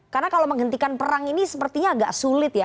karena kalau menghentikan perang ini sepertinya agak sulit ya